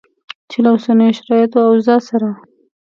چې له اوسنیو شرایطو او اوضاع سره